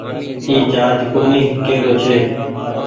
اي چآرج ڪونيٚ ڪر رو ڇي۔